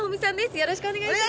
よろしくお願いします。